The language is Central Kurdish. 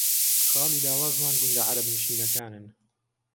خاڵی لاوازمان گوندە عەرەبنشینەکانن